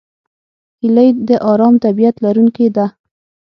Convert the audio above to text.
هیلۍ د آرام طبیعت لرونکې ده